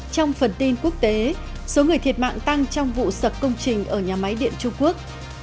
trong phần tin quốc tế số người thiệt mạng tăng trong vụ sập công trình ở nhà máy điện trung quốc